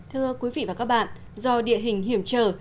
thưa quý vị và các bạn do địa hình hiểm trở